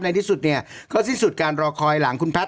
ในที่สุดเนี่ยก็สิ้นสุดการรอคอยหลังคุณแพท